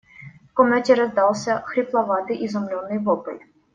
В комнате раздался хрипловатый изумленный вопль.